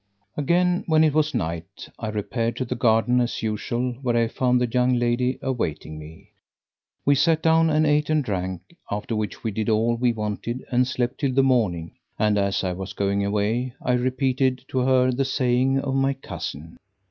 Again when it was night, I repaired to the garden as usual where I found the young lady awaiting me. We sat down and ate and drank, after which we did all we wanted and slept till the morning; and, as I was going away, I repeated to her the saying of my cousin.